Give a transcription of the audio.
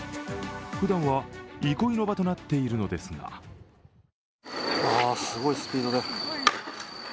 ふだんは憩いの場となっているのですがすごいスピードで。